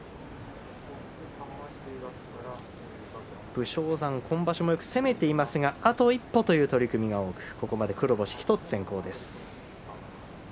武将山は今場所もよく攻めていますがあと一歩という取組が多く黒星が１つ先行です。